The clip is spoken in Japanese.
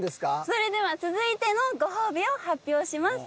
それでは続いてのご褒美を発表します。